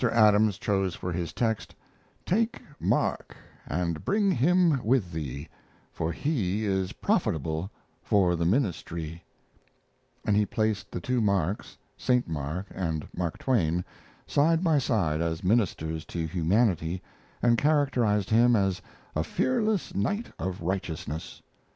Adams chose for his text, "Take Mark and bring him with thee; for he is profitable for the ministry," and he placed the two Marks, St. Mark and Mark Twain, side by side as ministers to humanity, and characterized him as "a fearless knight of righteousness."